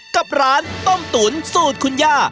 กับร้านต้มตุ๋นสูตรคุณย่า